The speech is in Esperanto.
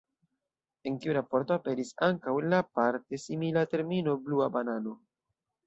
En tiu raporto aperis ankaŭ la parte simila termino Blua Banano.